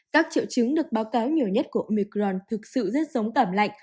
các triệu chứng được báo cáo nhiều nhất của omicron thực sự rất giống tảm lạnh